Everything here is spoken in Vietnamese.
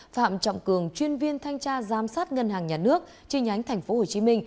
phạm trọng cường chuyên viên thanh tra giám sát ngân hàng nhà nước chi nhánh tp hcm